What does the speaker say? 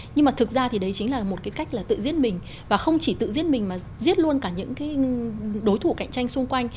nhưng mà thực ra thì đấy chính là một cái cách là tự giết mình và không chỉ tự giết mình mà giết luôn cả những cái đối thủ cạnh tranh xung quanh